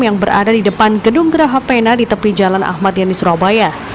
yang berada di depan gedung geraha pena di tepi jalan ahmad yani surabaya